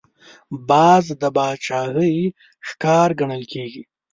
باز د باچاهۍ ښکار ګڼل کېږي